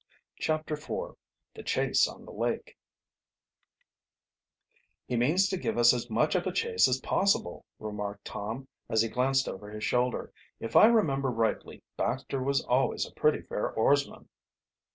CHAPTER IV THE CHASE ON THE LAKE "He means to give us as much of a chase as possible," remarked Tom, as he glanced over his shoulder. "If I remember rightly, Baxter was always a pretty fair oarsman."